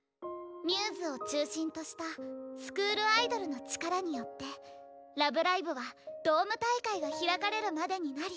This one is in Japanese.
μ’ｓを中心としたスクールアイドルの力によってラブライブはドーム大会が開かれるまでになり。